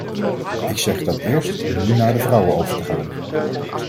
Ik zeg dat eerst om nu naar de vrouwen over te gaan.